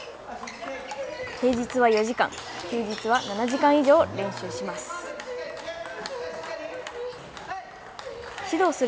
平日は４時間休日は７時間以上練習します。